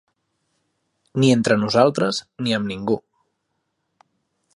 Ni entre nosaltres ni amb ningú.